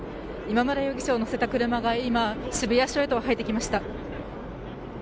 今村容疑者を乗せた車が今渋谷署へと入っていきました。